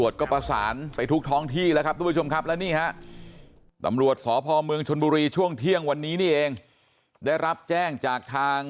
ได้รับแจ้งจากทาง